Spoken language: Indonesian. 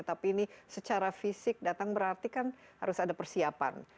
tapi ini secara fisik datang berarti kan harus ada persiapan